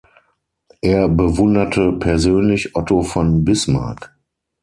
Er bewunderte persönlich Otto von Bismarck.